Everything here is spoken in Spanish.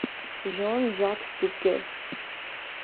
Jean-Jacques Bouquet.